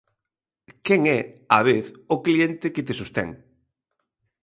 Quen é, á vez, o cliente que te sostén.